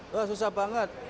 ya susah banget